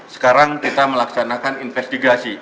sekarang kita melaksanakan investigasi